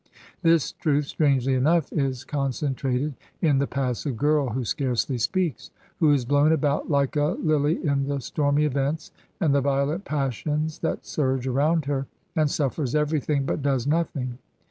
This truth, strangely \ enough, is concentrated in the passive girl who scarcely "*^ speaks ; who is blown about like a lily in the stormy events and the violent passions that surge around her, and suffers everything, but does nothing.